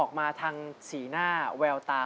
ทำข้างนะ